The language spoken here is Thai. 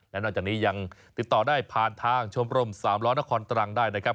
และนอกจากนี้ยังติดต่อได้ผ่านทางชมรมสามล้อนครตรังได้นะครับ